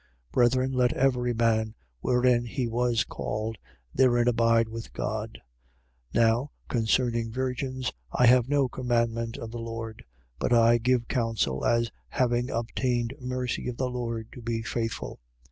7:24. Brethren, let every man, wherein he was called, therein abide with God. 7:25. Now, concerning virgins, I have no commandment of the Lord: but I give counsel, as having obtained mercy of the Lord, to be faithful.